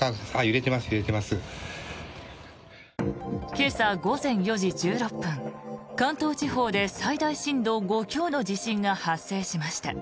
今朝午前４時１６分関東地方で最大震度５強の地震が発生しました。